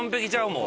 もう。